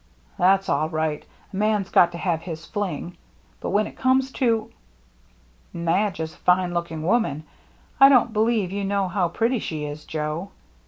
" That's all right. A man's got to have his fling. But when it comes to —"" Madge is a fine looking woman. I don't believe you know how pretty she is, Joe.